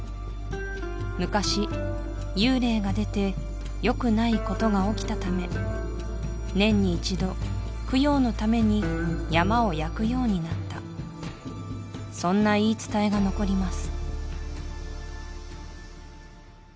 昔幽霊が出てよくないことが起きたため年に一度供養のために山を焼くようになったそんな言い伝えが残ります